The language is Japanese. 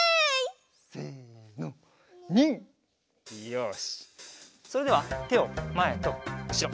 よしそれではてをまえとうしろ。